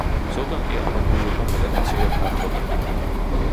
ზოგან კი აღებული იყო მეტად მცირე ფართობები.